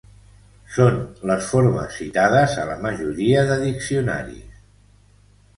Són les formes citades a la majoria de diccionaris.